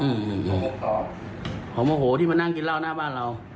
ผมโมโหที่มานั่งกินเหล้าหน้าบ้านเรา